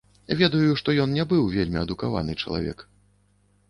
Ведаю, што ён быў вельмі адукаваны чалавек.